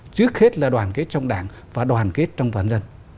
trước hết là đoàn kết trong đảng và đoàn kết trong toàn dân